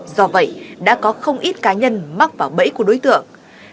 do vậy đã có không ít cá nhân mắc vào bẫy của đối tượng